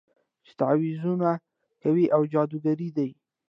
چې تعويذونه کوي او جادوګرې دي.